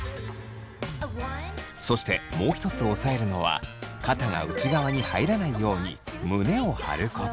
そしてもう一つ押さえるのは肩が内側に入らないように胸を張ること。